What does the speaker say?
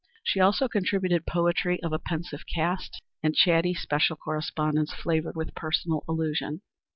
She also contributed poetry of a pensive cast, and chatty special correspondence flavored with personal allusion.